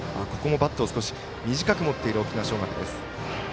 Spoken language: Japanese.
バットを短く持っている沖縄尚学。